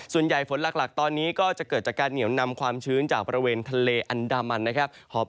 ส่วนใหญ่ฝนหลักตอนนี้ก็จะเกิดจากการเหนียวนำความชื้นจากบริเวณทะเลอันดามันนะครับ